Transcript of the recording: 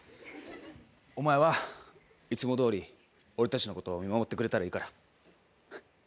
お前はいつもどおり俺たちのことを見守ってくれたらいいから。